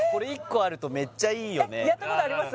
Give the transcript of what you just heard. やったことあります？